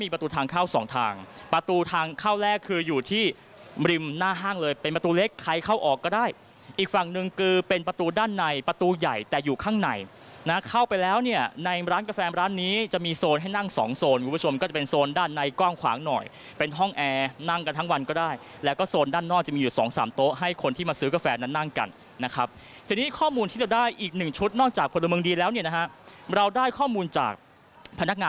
ประตูทางเข้าแรกคืออยู่ที่มริมหน้าห้างเลยเป็นประตูเล็กใครเข้าออกก็ได้อีกฝั่งหนึ่งคือเป็นประตูด้านในประตูใหญ่แต่อยู่ข้างในนะเข้าไปแล้วเนี่ยในร้านกาแฟร้านนี้จะมีโซนให้นั่งสองโซนคุณผู้ชมก็จะเป็นโซนด้านในกว้างขวางหน่อยเป็นห้องแอร์นั่งกันทั้งวันก็ได้แล้วก็โซนด้านนอกจะมีอยู่สองสามโต๊ะให้คน